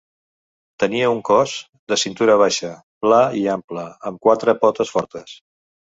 Tenia un cos de cintura baixa, pla i ample, amb quatre potes fortes.